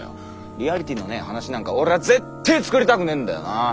「リアリティ」のねー話なんか俺はぜってー作りたくねーんだよなぁ。